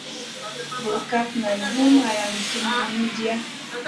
Burkaf nang hum ala sumun midia.